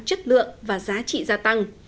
chất lượng và giá trị gia tăng